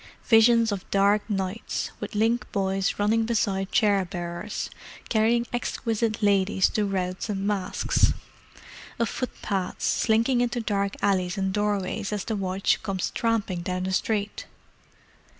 Visions of dark nights, with link boys running beside chair bearers, carrying exquisite ladies to routs and masques: of foot pads, slinking into dark alleys and doorways as the watch comes tramping down the street.